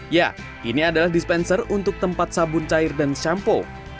ya ini adalah dispenser untuk tempat sabun cair dan shampoo